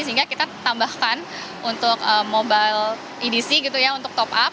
sehingga kita tambahkan untuk mobile edc gitu ya untuk top up